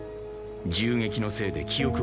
銃撃のせいで記憶をなくした。